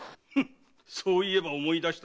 そういえば思い出したぞ。